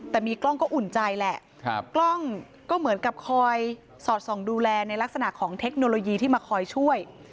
แต่มีกล้องก็อุ่นใจแหละกล้องก็เหมือนกับคอยสอดส่องดูแลในลักษณะของเทคโนโลยีที่มาคอยช่วย